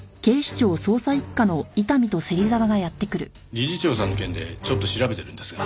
理事長さんの件でちょっと調べてるんですが。